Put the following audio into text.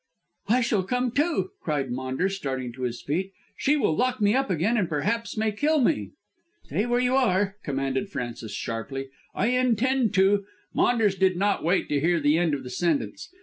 "I shall come, too," cried Maunders starting to his feet. "She will lock me up again and perhaps may kill me." "Stay where you are," commanded Frances sharply. "I intend to " Maunders did not wait to hear the end of the sentence.